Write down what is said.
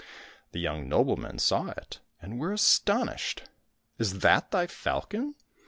The young noblemen saw it and were astonished. " Is that thy falcon